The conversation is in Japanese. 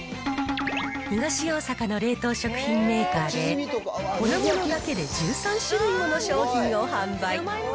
東大阪の冷凍食品メーカーで、粉ものだけで１３種類もの商品を販売。